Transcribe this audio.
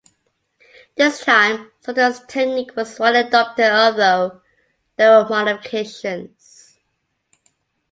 This time Souttar's technique was widely adopted although there were modifications.